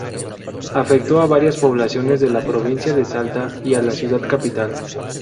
Afectó a varias poblaciones de la provincia de Salta y a la ciudad capital.